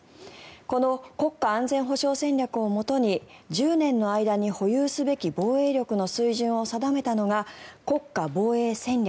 この国家安全保障戦略をもとに１０年の間に保有すべき防衛の水準を定めたのが国家防衛戦略。